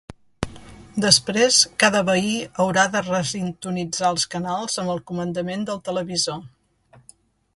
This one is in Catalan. Després, cada veí haurà de resintonitzar els canals amb el comandament del televisor.